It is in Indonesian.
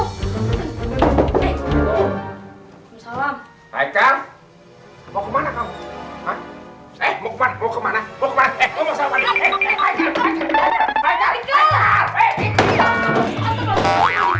salam salam mau kemana kau